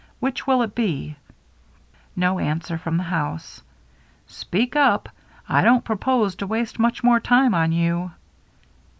Which will it be ?" No answer from the house. " Speak up ! I don't propose to waste much more time on you."